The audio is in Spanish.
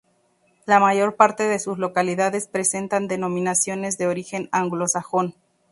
La mayor parte de sus localidades presentan denominaciones de origen anglosajón.